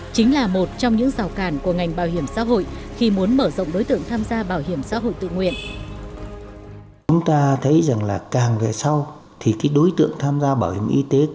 chính là một trong những rào cản của ngành bảo hiểm sinh hoạt